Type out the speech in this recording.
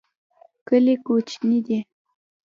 کلی کوچنی دی.